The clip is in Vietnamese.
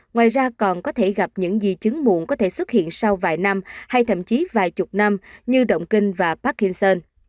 ngoài ra còn có thể gặp những di chứng muộn có thể xuất hiện sau vài năm hay thậm chí vài chục năm như động kinh và parkinson